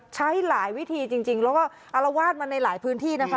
ใช้หลายวิธีจริงแล้วก็อารวาสมาในหลายพื้นที่นะคะ